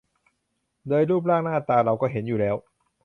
โดยรูปร่างหน้าตาเราก็เห็นอยู่แล้ว